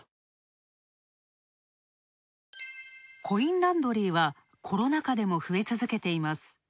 コインランドリーは、コロナ禍でも増え続けています。